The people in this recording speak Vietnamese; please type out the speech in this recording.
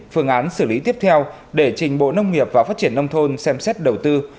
phương án xử lý tiếp theo để trình bộ nông nghiệp và phát triển nông thôn xem xét đầu tư